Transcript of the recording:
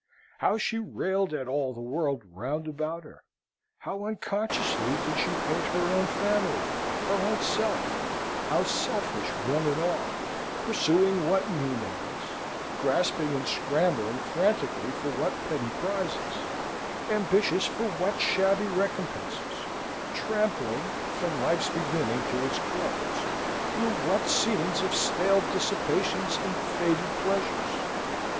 How she railed at all the world round about her! How unconsciously did she paint her own family her own self; how selfish, one and all; pursuing what mean ends; grasping and scrambling frantically for what petty prizes; ambitious for what shabby recompenses; trampling from life's beginning to its close through what scenes of stale dissipations and faded pleasures!